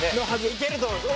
いけると思います。